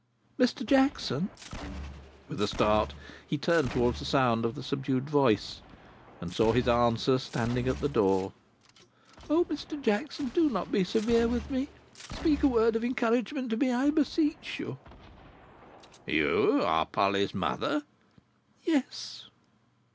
"Mr. Jackson!" With a start he turned towards the sound of the subdued voice, and saw his answer standing at the door. "O Mr. Jackson, do not be severe with me. Speak a word of encouragement to me, I beseech you." "You are Polly's mother." "Yes."